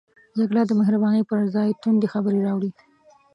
جګړه د مهربانۍ پر ځای توندې خبرې راوړي